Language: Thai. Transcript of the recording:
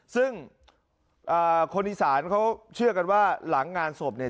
ซึ่งคนอีสานเขาเชื่อกันว่าหลังงานศพเนี่ย